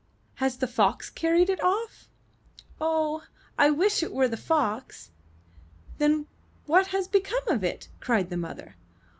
"Has the fox carried it off?" "Oh, I wish it were the fox." "Then, what has become of it?" cried the mother.